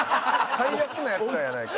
最悪なヤツらやないか。